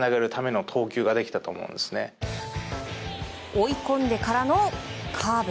追い込んでからのカーブ。